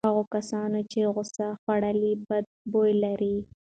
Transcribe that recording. هغو کسانو چې غوښه خوړلې بد بوی لري.